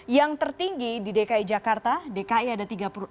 yang tertinggi di dki jakarta dki ada tiga ratus enam puluh satu